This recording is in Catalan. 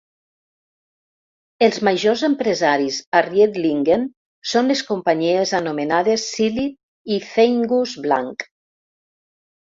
Els majors empresaris a Riedlingen són les companyies anomenades "Silit" i "Feinguss Blank".